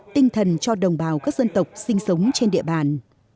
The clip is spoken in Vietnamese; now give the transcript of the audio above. tinh thần cho đồng bào các dân tộc sinh sống trên địa bàn